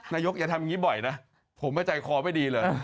อย่าทำอย่างนี้บ่อยนะผมใจคอไม่ดีเลย